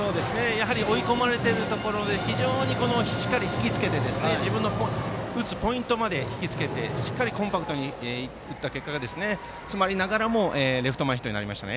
やはり追い込まれているところで非常にしっかりと自分の打つポイントまで引きつけてしっかりコンパクトに打った結果詰まりながらもレフト前ヒットになりました。